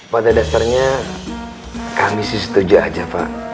pada dasarnya kami sih setuju aja pak